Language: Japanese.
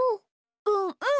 うんうん！